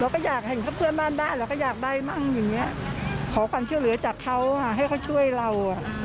ขอความช่วยเหลือจากเขาให้เขาช่วยเรา